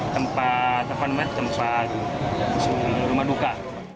tempat tempat rumah tempat rumah duka